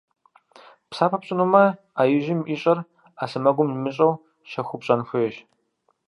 Псапэ пщӏэнумэ, ӏэ ижьым ищӏэр ӏэ сэмэгум имыщӏэу, щэхуу пщӏэн хуейщ.